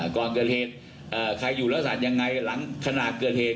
ก่อนเกิดเหตุเอ่อใครอยู่ระสานยังไงหลังขณะเกิดเหตุ